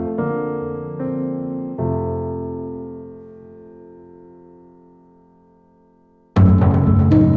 mas aku mau ke rumah